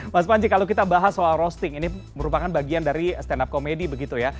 mas panji kalau kita bahas soal roasting ini merupakan bagian dari stand up komedi begitu ya